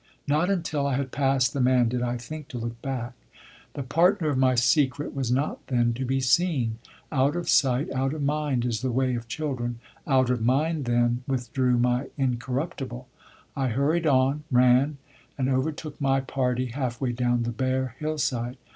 Not until I had passed the man did I think to look back. The partner of my secret was not then to be seen. Out of sight out of mind is the way of children. Out of mind, then, withdrew my incorruptible. I hurried on, ran, and overtook my party half way down the bare hillside.